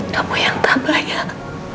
kamu yang tak banyak